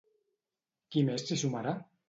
Qui més s'hi sumarà?